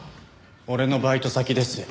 俺のバイト先ですよ。